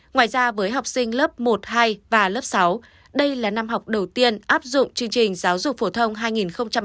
ngoài ra với học sinh lớp một hai và lớp sáu đây là năm học đầu tiên áp dụng chương trình giáo dục phổ thông hai nghìn một mươi tám